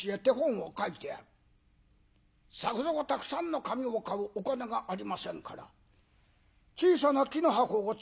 作蔵たくさんの紙を買うお金がありませんから小さな木の箱を作り